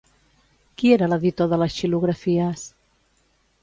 Qui era l'editor de les xilografies?